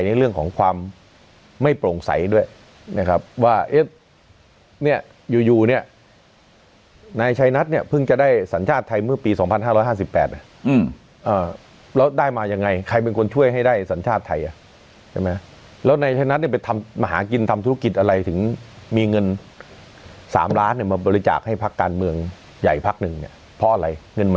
ใหญ่ภักดิ์หนึ่งเนี่ยเพราะอะไรเงินมาจากไหน